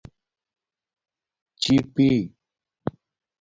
چِیپی